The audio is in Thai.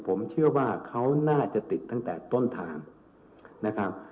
ผมเชื่อว่าเขาน่าจะติดตั้งแต่ต้นทางนะครับ